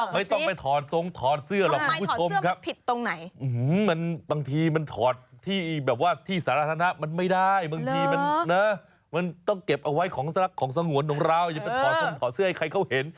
มันต้องเก็บเอาไว้ของสังหวนของเราอย่าไปถ่อซ่อมถ่อเสื้อให้ใครเข้าเห็น